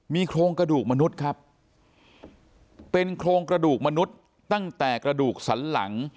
มีโครงกระดูกมนุษย์ครับเป็นโครงกระดูกมนุษย์ตั้งแต่กระดูกสันหลัง